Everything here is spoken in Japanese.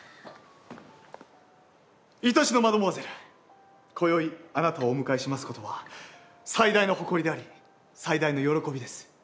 愛しのマドモアゼル今宵あなたをお迎えしますことは最大の誇りであり最大の喜びです。